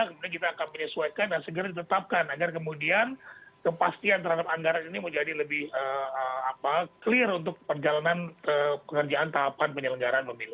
kemudian kita akan menyesuaikan dan segera ditetapkan agar kemudian kepastian terhadap anggaran ini menjadi lebih clear untuk perjalanan pengerjaan tahapan penyelenggaraan pemilu